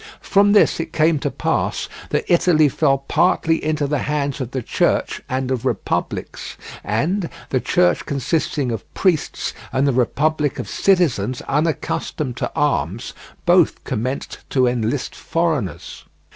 From this it came to pass that Italy fell partly into the hands of the Church and of republics, and, the Church consisting of priests and the republic of citizens unaccustomed to arms, both commenced to enlist foreigners.